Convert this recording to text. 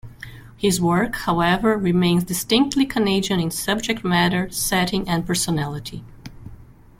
His work, however, remains distinctly Canadian in subject matter, setting and personality.